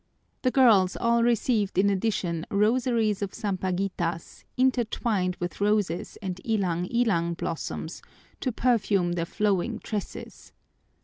The girls all received in addition rosaries of sampaguitas, intertwined with roses and ilang ilang blossoms, to perfume their flowing tresses.